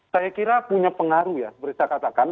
saya kira punya pengaruh ya seperti saya katakan